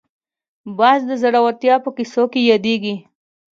باز د زړورتیا په کیسو کې یادېږي